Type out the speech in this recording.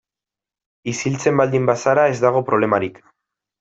Isiltzen baldin bazara ez dago problemarik.